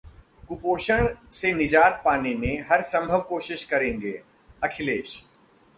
कुपोषण से निजात पाने में हरसंभव कोशिश करेंगे: अखिलेश